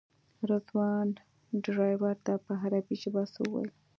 رضوان ډریور ته په عربي ژبه څه وویل.